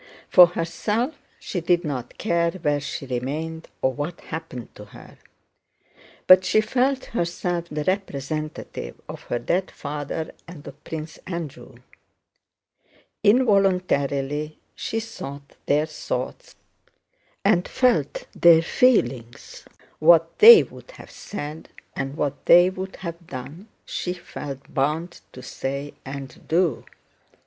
For herself she did not care where she remained or what happened to her, but she felt herself the representative of her dead father and of Prince Andrew. Involuntarily she thought their thoughts and felt their feelings. What they would have said and what they would have done she felt bound to say and do.